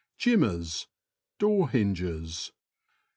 JiMMERS. — Door hinges.